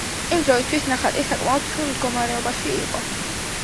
იმ დროისთვის, ნახატი საკმაოდ ცუდ მდგომარეობაში იყო.